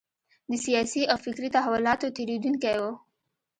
د سیاسي او فکري تحولاتو تېرېدونکی و.